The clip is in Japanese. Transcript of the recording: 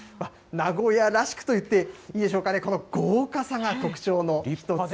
名古屋らしくといっていいんでしょうかね、この豪華さが特徴の。